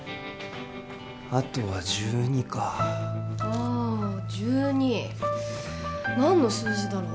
あとは「１２」かああ「１２」何の数字だろう？